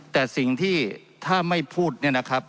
แต่สิ่งที่ถ้าไม่พูดเนี่ยนะครับ